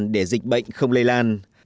để dịch bệnh không lây lan